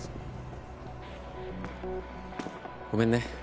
ごめんね。